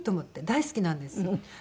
大好きなんです。